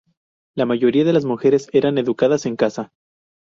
La mayoría de las mujeres eran educadas en casa.